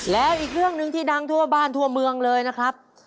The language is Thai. แล้วอีกเรื่องหนึ่งที่ดังทั่วบ้านทั่วเมืองเลยนะครับ